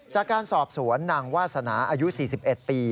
จากการสอบสวนนางวาสนาอายุ๔๑ปี